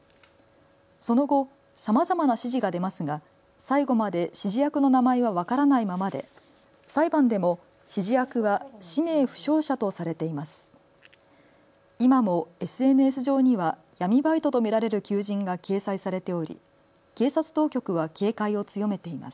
その後、さまざまな指示が出ますが最後まで指示役の名前は分からないままで裁判でも指示役は氏名不詳者とされています。